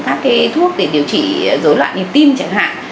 các thuốc để điều trị dối loạn nhịp tim chẳng hạn